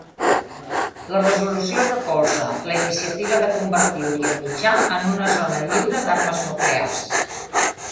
La resolució recolza la iniciativa de convertir Orient Mitjà en una zona lliure d'armes nuclears.